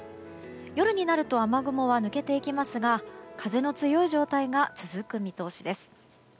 夜になると雨雲は抜けていきますが風の強い状態が続く見通しです。